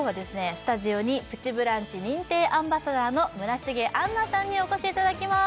スタジオに「プチブランチ」認定アンバサダーの村重杏奈さんにお越しいただきます